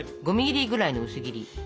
５ｍｍぐらいの薄切り。